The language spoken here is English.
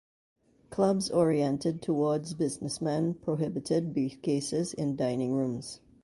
Clubs oriented towards businessmen prohibited briefcases in dining rooms.